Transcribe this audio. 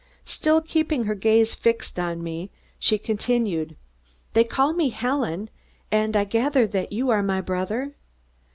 Still keeping her gaze fixed on me, she continued: "They call me Helen, and I gather that you are my brother.